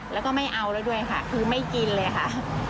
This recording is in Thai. แล้วก็ไม่เอาแล้วด้วยค่ะคือไม่กินเลยค่ะ